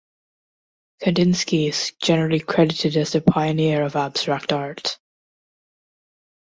Kandinsky is generally credited as the pioneer of abstract art.